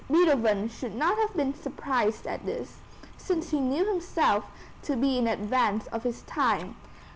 Beethoven should not have been surprised at this, since he knew himself to be in advance of his time.